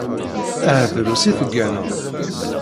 Ahat drus i tegganeḍ